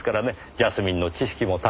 ジャスミンの知識も多少は。